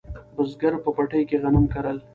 بزګر په پټي کې غنم کرل